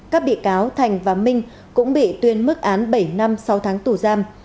các bị cáo thành và minh cũng bị tuyên mức án bảy năm sáu tháng tù giam